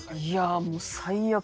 もう最悪よ。